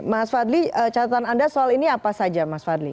mas fadli catatan anda soal ini apa saja mas fadli